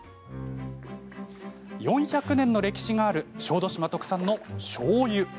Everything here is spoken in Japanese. ４００年の歴史がある小豆島特産のしょうゆ。